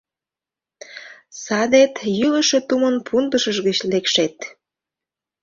— Садет, йӱлышӧ тумын пундышыж гыч лекшет.